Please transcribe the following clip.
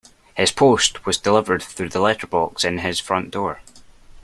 His post was delivered through the letterbox in his front door